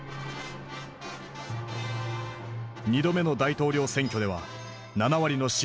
２度目の大統領選挙では７割の支持を獲得。